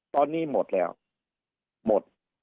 ตอนนี้หมดแล้วหมด